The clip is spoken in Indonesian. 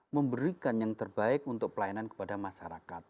memberikan yang terbaik untuk pelayanan kepada masyarakat